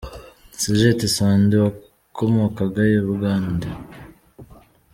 – Sgt Sandy wakomokaga I Bugande.